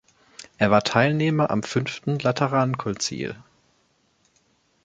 Er war Teilnehmer am Fünften Laterankonzil.